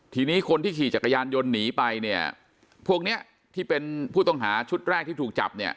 ทีนี้คนที่ขี่จักรยานยนต์หนีไปเนี่ยพวกเนี้ยที่เป็นผู้ต้องหาชุดแรกที่ถูกจับเนี่ย